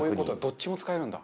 どっちも使えるんだ。